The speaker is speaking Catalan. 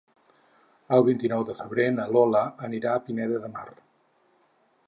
El vint-i-nou de febrer na Lola anirà a Pineda de Mar.